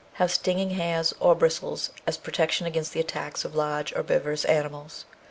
have stinging hairs or bristles as protection against the attacks of large herbivorous animals.